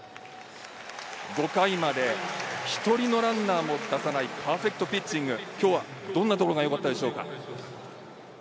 ５回まで一人のランナーも出さないパーフェクトピッチング、きょうはどんなところが良かったでしょうか？